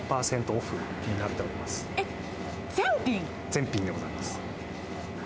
全品でございます。